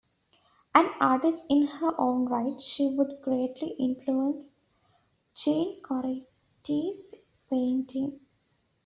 An artist in her own right, she would greatly influence Jean Crotti's painting.